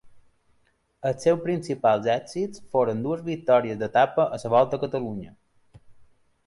Els seus principals èxits foren dues victòries d'etapa a la Volta a Catalunya.